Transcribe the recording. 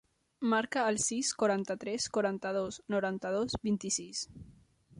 Marca el sis, quaranta-tres, quaranta-dos, noranta-dos, vint-i-sis.